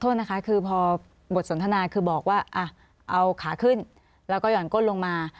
โทษนะคะคือพอบทสนทนาคือบอกว่าเอาขาขึ้นแล้วก็ห่อนก้นลงมา